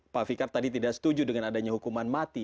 pak fikar tadi tidak setuju dengan adanya hukuman mati